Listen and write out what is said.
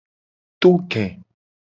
To ge.